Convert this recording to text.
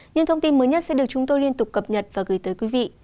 những thông tin mới nhất sẽ được chúng tôi liên tục cập nhật và gửi tới quý vị